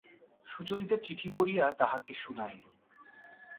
সুচরিতা চিঠি পড়িয়া তাঁহাকে শুনাইল।